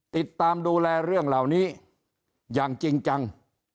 ติดตามดูแลเรื่องเหล่านี้อย่างจริงจัง